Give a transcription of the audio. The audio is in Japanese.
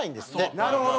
なるほど！